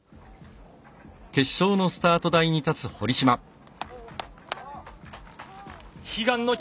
決勝のスタート台に立つ堀島選手。